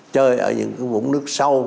chơi ở những cái vùng nước sâu